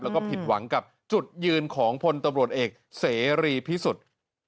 แล้วก็ผิดหวังกับจุดยืนของพลตำรวจเอกเสรีพิสุทธิ์